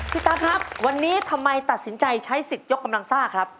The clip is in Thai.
ตั๊กครับวันนี้ทำไมตัดสินใจใช้สิทธิ์ยกกำลังซ่าครับ